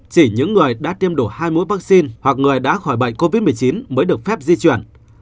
chỉ những người đã tiêm đủ hai mũi vaccine hoặc người đã khỏi bệnh covid một mươi chín mới được phép di chuyển